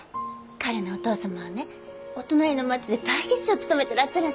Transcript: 彼のお父様はねお隣の町で代議士を務めてらっしゃるんですって。